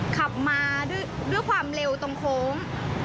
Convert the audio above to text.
ขับมาด้วยความเร็วตรงโค้ง